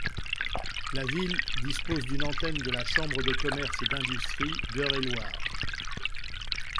La ville dispose d'une antenne de la Chambre de commerce et d'industrie d'Eure-et-Loir.